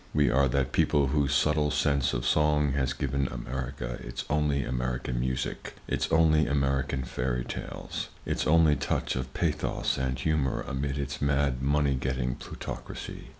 We are that people whose subtle sense of song has given America its only American music, its only American fairy tales, its only touch of pathos and humor amid its mad money getting plutocracy.